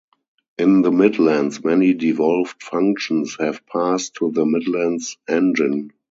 In the Midlands, many devolved functions have passed to the Midlands Engine.